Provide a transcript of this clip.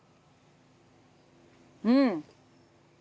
うん。